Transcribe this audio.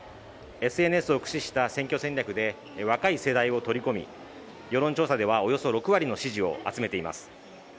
ＳＮＳを駆使した選挙戦略で若い世代を取り込み世論調査ではおよそ６割の支持を集めています